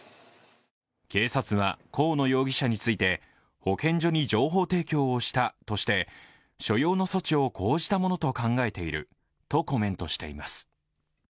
警察は河野容疑者について、保健所に情報提供をしたとして所要の措置を講じたものと考えているとコメントしています。